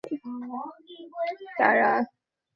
কিন্তু কঠিন হলেও সত্যটা বলি, আমাদের জয়ের ক্ষুধা অনেক কমে গেছে।